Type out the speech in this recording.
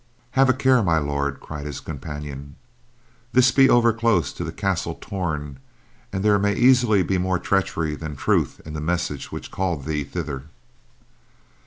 "Have a care, My Lord," cried his companion. "This be over close to the Castle Torn and there may easily be more treachery than truth in the message which called thee thither."